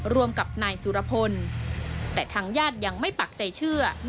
ร่วมกับนายสุรพลแต่ทางญาติยังไม่ปักใจเชื่อ